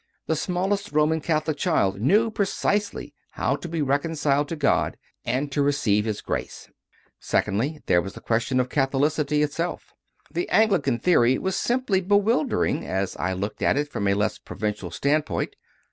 The smallest Roman Catholic child knew precisely how to be reconciled to God and to receive His grace. 8. Secondly, there was the question of Catholic ity itself. The Anglican theory was simply bewil dering, as I looked at it from a less provincial standpoint.